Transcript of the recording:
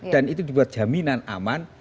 dan itu dibuat jaminan aman